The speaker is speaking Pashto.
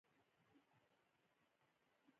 پسرلی د افغانستان د جغرافیایي موقیعت پایله ده.